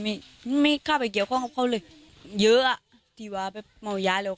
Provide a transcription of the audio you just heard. มีมีข้าวไปเกี่ยวข้องกับเขาเลยเยอะอ่ะที่ว่าแบบเมายาแล้ว